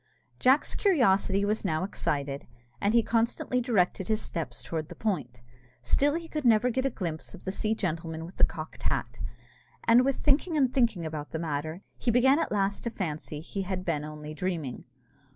Jack's curiosity was now excited, and he constantly directed his steps towards the point; still he could never get a glimpse of the sea gentleman with the cocked hat; and with thinking and thinking about the matter, he began at last to fancy he had been only dreaming.